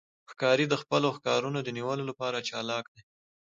ښکاري د خپلو ښکارونو د نیولو لپاره چالاک دی.